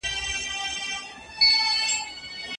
هغې له خرما څخه خوراک ونکړ.